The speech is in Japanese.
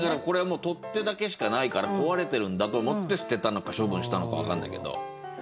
これはもう取っ手だけしかないから壊れてるんだと思って捨てたのか処分したのか分かんないけど。